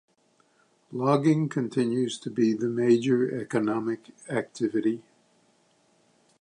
Logging continues to be the major economic activity.